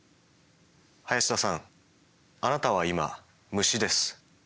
林田さんあなたは今虫です。